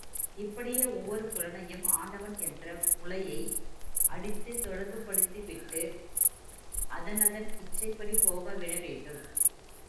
இப்படியே ஒவ்வொரு புலனையும் ஆண்டவன் என்ற முளையை அடித்துத் தொடர்புபடுத்திவிட்டு அதனதன் இச்சைப்படி போக விட வேண்டும்.